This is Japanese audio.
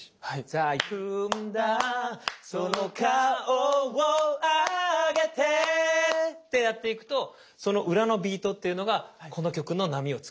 「さあ行くんだその顔をあげて」ってやっていくとその裏のビートっていうのがこの曲の波を作るの。